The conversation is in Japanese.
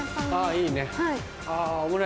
いいね。